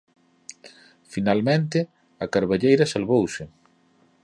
Finalmente a carballeira salvouse.